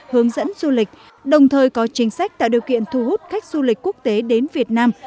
hướng dẫn du lịch đồng thời có chính sách tạo điều kiện thu hút khách du lịch quốc tế đến việt nam